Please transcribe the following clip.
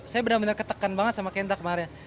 saya benar benar ketekan banget sama kenta kemarin